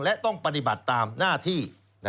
และต้องปฏิบัติตามหน้าที่